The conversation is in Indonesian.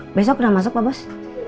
rasanya aku kena masuk pa bos